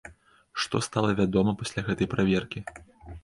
Што стала вядома пасля гэтай праверкі?